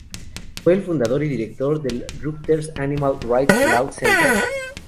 Fue el fundador y director del "Rutgers Animal Rights Law Centre".